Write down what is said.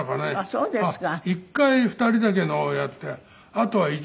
そうですか。